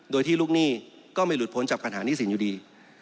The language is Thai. โดยที่ลูกหนี้ก็ไม่หลุดพ้นจากคาถาหนี้สินอยู่ดี